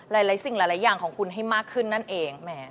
หลายสิ่งหลายอย่างของคุณให้มากขึ้นนั่นเอง